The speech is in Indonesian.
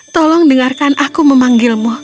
tolong dengarkan aku memanggilmu